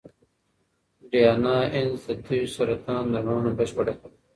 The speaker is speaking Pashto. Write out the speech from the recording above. ډیانا اینز د تیو سرطان درملنه بشپړه کړې.